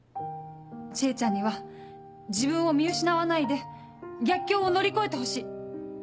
知恵ちゃんには自分を見失わないで逆境を乗り越えてほしい。